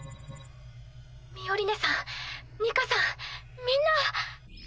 ミオリネさんニカさんみんな。